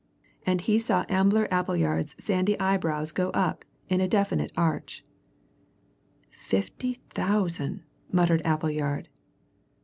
And he saw Ambler Appleyard's sandy eyebrows go up in a definite arch. "Fifty thousand!" muttered Appleyard.